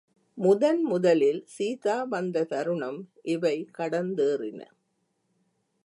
முதன்முதலில் சீதா வந்த தருணம் இவை கடந்தேறின.